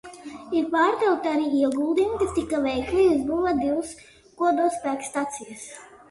Ir pārtraukti arī ieguldījumi, kas tika veikti, lai uzbūvētu divas kodolspēkstacijas.